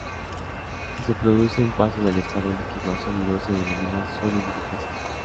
Si se produce un paso del estado líquido a sólido se denomina solidificación.